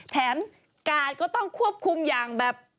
กาดก็ต้องควบคุมอย่างแบบ